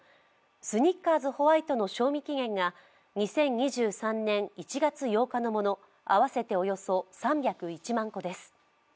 スニッカーズホワイトの賞味期限が２０２３年１月８日のもの合わせておよそ３０１万個です。